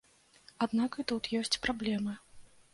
Аднак і тут ёсць праблемы.